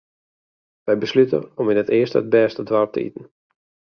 Wy beslute om yn it earste it bêste doarp te iten.